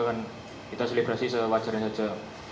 kita selebrasi sewajarnya saja